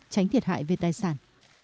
tránh thiệt hại về tài sản